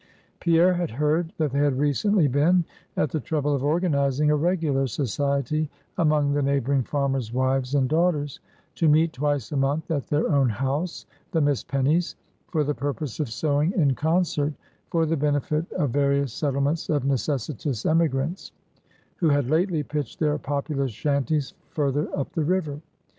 Pierre had heard that they had recently been at the trouble of organizing a regular society, among the neighboring farmers' wives and daughters, to meet twice a month at their own house (the Miss Pennies) for the purpose of sewing in concert for the benefit of various settlements of necessitous emigrants, who had lately pitched their populous shanties further up the river.